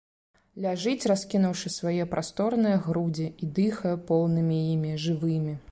Ляжыць, раскінуўшы свае прасторныя грудзі, і дыхае поўнымі імі, жывымі.